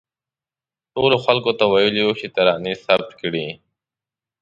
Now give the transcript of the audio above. ټولو خلکو ته ویلي وو چې ترانې ثبت کړي.